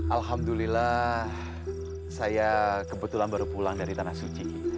alhamdulillah saya kebetulan baru pulang dari tanah suci